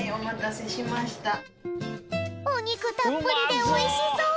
おにくたっぷりでおいしそう！